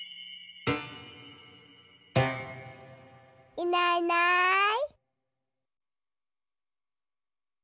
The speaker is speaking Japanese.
いないいない。